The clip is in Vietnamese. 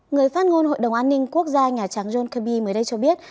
người phát ngôn hội đồng an ninh quốc gia nhà trắng john kirby mới đây cho biết